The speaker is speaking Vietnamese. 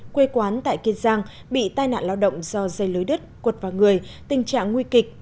quê quán tại kiên giang bị tai nạn lao động do dây lưới đất quật vào người tình trạng nguy kịch